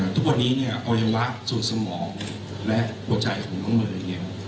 ทุกวันนี้อวัยวะส่วนสมองและหัวใจของน้องเนยเนี่ย